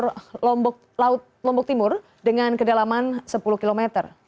atau delapan belas km barat laut lombok timur dengan kedalaman sepuluh km